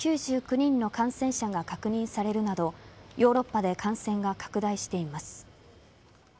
人の感染者が確認されるなどヨーロッパで感染が拡大しています。